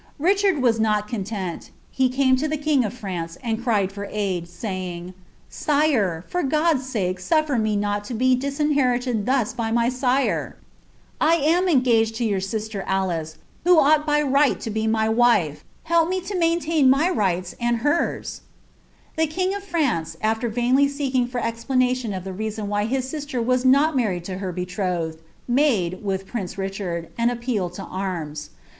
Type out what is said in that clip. Richard was not content ; he came to the king mee, and cried for aid, saving, 'Sire, for God's sake sufier me not ■ disinheriietl thus by my sire. I am engaged to your sister Alice, koughl by right to be my wife. Help me lo maintain my rights and e king of France, al\er vainly aeeking for explanation of the reason f bis sister was not married to her betrothed, made, with prince 1 appeal ti> arms.